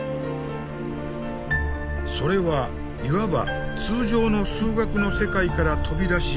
それはいわば通常の数学の世界から飛び出し